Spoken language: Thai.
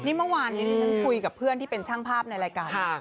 นี่เมื่อวานนี้ที่ฉันคุยกับเพื่อนที่เป็นช่างภาพในรายการ